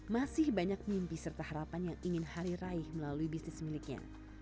masih banyak mimpi serta harapan yang ingin harry raih melalui bisnis miliknya